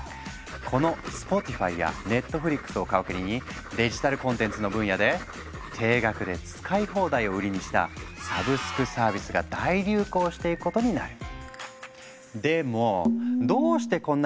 この「スポティファイ」や「ネットフリックス」を皮切りにデジタルコンテンツの分野で定額で使い放題を売りにしたサブスクサービスが大流行していくことになる。